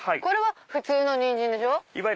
これは普通のニンジンでしょ？